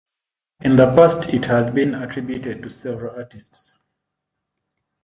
In the past it has been attributed to several artists.